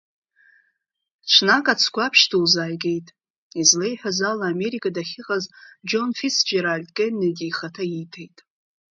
Ҽнак ацгәаԥшь ду лзааигеит, излеиҳәаз ала, Америка дахьыҟаз Џьон Фицџьеральд Кеннеди ихаҭа ииҭеит.